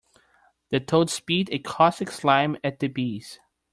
The toad spit a caustic slime at the bees.